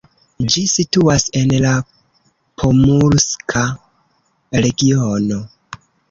Ĝi situas en la Pomurska regiono.